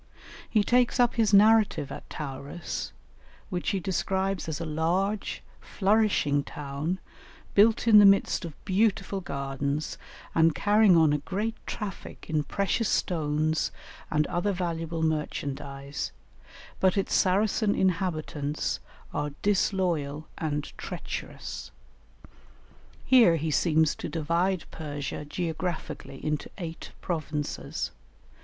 He takes up his narrative at Tauris, which he describes as a large flourishing town built in the midst of beautiful gardens and carrying on a great traffic in precious stones and other valuable merchandise, but its Saracen inhabitants are disloyal and treacherous. Here he seems to divide Persia geographically into eight provinces.